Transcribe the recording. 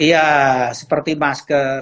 iya seperti masker